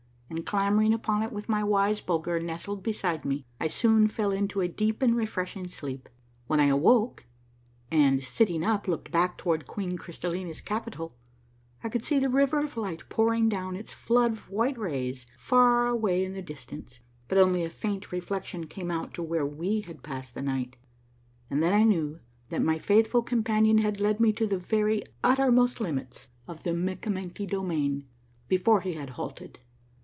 and clambering upon it with my wise Bulger nestled beside me, I soon fell into a deep and refreshing sleep. When I aAvoke and, sitting up, looked back toward Queen Crystallina's capital, I could see the River of Light pouring down its flood of white rays far away in the distance ; but only a faint reflection came out to where we had passed the night, and then I knew that my faithful companion had led me to the verj' uttermost limit of the Mikkamenky domain before he had halted.